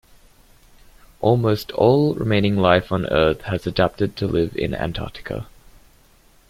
Almost all remaining life on Earth has adapted to live in Antarctica.